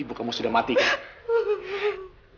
ibu kamu sudah mati kak